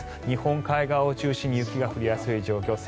日本海側を中心に雪が降りやすい状況。